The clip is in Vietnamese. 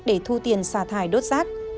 để thu tiền xả thải đốt rác